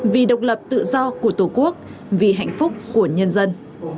vì độc lập tự do của tổ quốc vì hạnh phúc của nhân dân